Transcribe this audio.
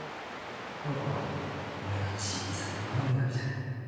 この子は森の小さな守り神じゃ。